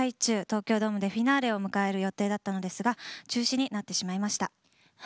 東京ドームでフィナーレを迎える予定だったのですが中止になってしまいました。